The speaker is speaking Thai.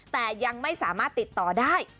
แต่ยังไม่สามารถติดต่อได้